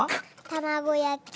卵焼き。